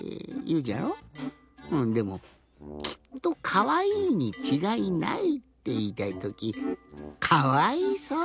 でもきっとかわいいにちがいないっていいたいときかわいそう！